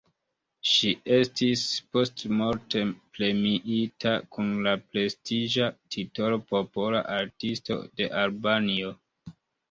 Ŝi estis postmorte premiita kun la prestiĝa titolo Popola Artisto de Albanio.